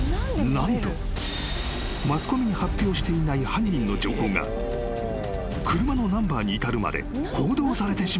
［何とマスコミに発表していない犯人の情報が車のナンバーに至るまで報道されてしまったのだ］